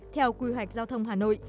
theo quy hoạch giao thông hà nội